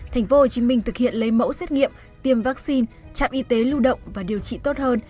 tp hcm thực hiện lấy mẫu xét nghiệm tiêm vaccine trạm y tế lưu động và điều trị tốt hơn